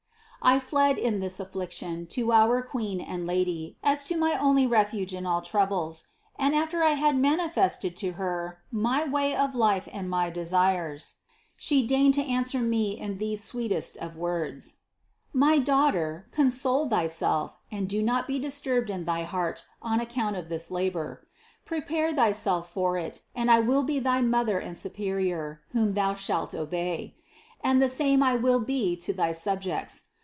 7. I fled in this affliction to our Queen and Lady as INTRODUCTION 7 to my only refuge in all troubles, and after I had mani fested to Her my way of life and my desires, She deigned to answer me in these sweetest of words : "My daughter, console thyself and do not be disturbed in thy heart on account of this labor ; prepare thyself for it and I will be thy Mother and Superior, whom thou shalt obey; and the same I will be to thy subjects.